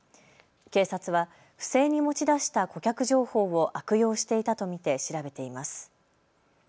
警察は不正に持ち出した顧客情報を悪用していたと見て調べています。